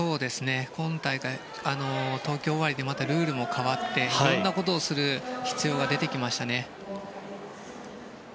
今大会、東京終わりでまたルールも変わっていろんなことをする必要が出てきましたね。